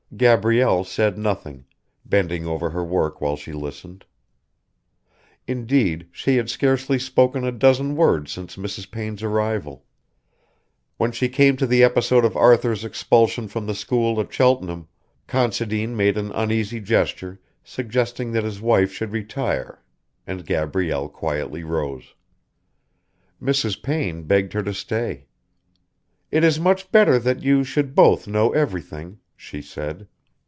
Gabrielle said nothing, bending over her work while she listened. Indeed, she had scarcely spoken a dozen words since Mrs. Payne's arrival. When she came to the episode of Arthur's expulsion from the school at Cheltenham, Considine made an uneasy gesture suggesting that his wife should retire, and Gabrielle quietly rose. Mrs. Payne begged her to stay. "It is much better that you should both know everything," she said.